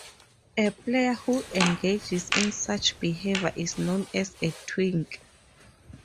A player who engages in such behavior is known as a twink.